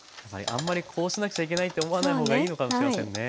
あんまりこうしなくちゃいけないって思わない方がいいのかもしれませんね。